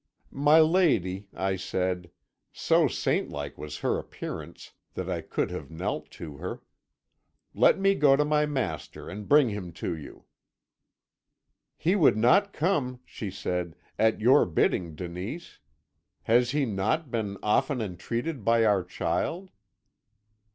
"'My lady,' I said so saint like was her appearance that I could have knelt to her, 'let me go to my master and bring him to you.' "'He would not come,' she said, 'at your bidding, Denise. Has he not been often entreated by our child?'